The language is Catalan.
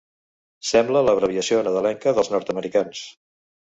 Sembla l'abreviació nadalenca dels nord-americans.